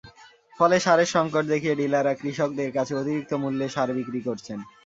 ফলে সারের সংকট দেখিয়ে ডিলাররা কৃষকদের কাছে অতিরিক্ত মূল্যে সার বিক্রি করছেন।